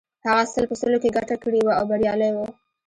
هغه سل په سلو کې ګټه کړې وه او بریالی و